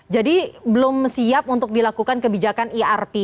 jadi belum siap untuk dilakukan kebijakan irp